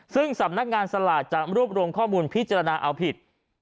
ซึ่งสำนักงานสลากจะรวบรวมข้อมูลพิจารณาเอาผิด